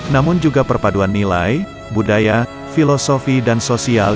namun juga perpaduan nilai budaya filosofi dan sosial